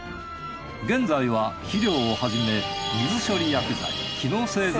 現在は肥料をはじめ水処理薬剤機能性